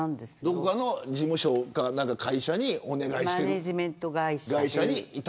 どこかの事務所か会社にお願いしてる。